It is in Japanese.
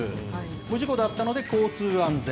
無事故だったので、交通安全。